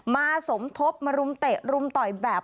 สมทบมารุมเตะรุมต่อยแบบ